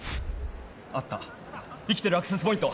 あった生きてるアクセスポイント